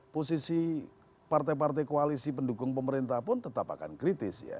posisi partai partai koalisi pendukung pemerintah pun tetap akan kritis ya